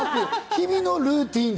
日々のルーティン。